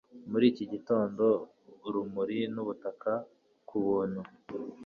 muri iki gitondo urumuri nubutaka kubuntu